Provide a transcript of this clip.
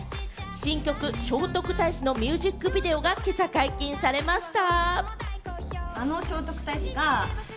新曲『聖徳太子』のミュージックビデオが今朝解禁されました。